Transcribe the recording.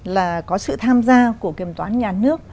là có sự tham gia của kiểm toán nhà nước